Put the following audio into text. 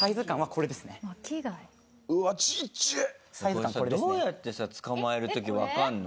これさどうやってさ捕まえる時わかるの？